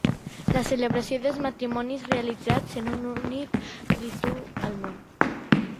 La celebració dels matrimonis realitzats en un únic ritu al món.